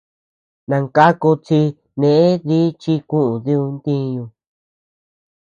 Nangakud chi neʼe chi kuʼuu diuu ntiñu.